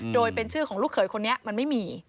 โดยเป็นชื่อของลูกเขยคนนี้มันไม่มี